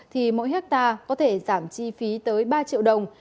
thì mỗi hectare có thể giảm chi phí tới ba triệu đồng